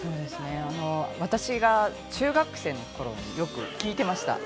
私が中学生の頃によく聴いてました。